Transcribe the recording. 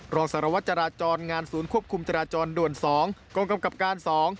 รองสารวัตรจราจรงานศูนย์ควบคุมจราจรด่วน๒กองกำกับการ๒